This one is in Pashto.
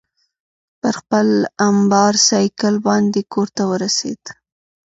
پر خپل امبرسایکل باندې کورته ورسېد.